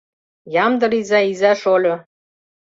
Ямде лийза, иза-шольо!